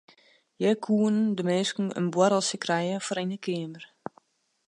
Hjir koenen de minsken in boarreltsje krije gewoan yn de keamer.